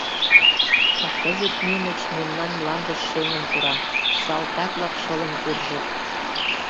А кызыт немыч мемнан мландыш шеҥын пура, салтак-влак шылын куржыт.